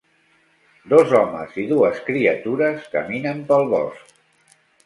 Dos homes i dues criatures caminen pel bosc.